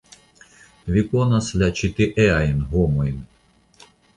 Vi konas la ĉi-tieajn homojn.